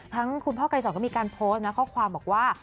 คุณพ่อไกรสอนก็มีการโพสต์นะข้อความบอกว่า